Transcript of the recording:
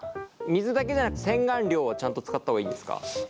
水だけじゃなく洗顔料はちゃんと使った方がいいんですか？